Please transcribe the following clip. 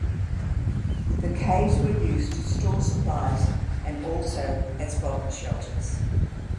The caves were used to store supplies and also as bomb shelters.